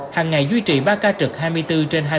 hàng ngày duy trì ba ca trực hai mươi bốn trên hai mươi bốn